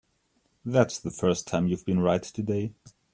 That's the first time you've been right today.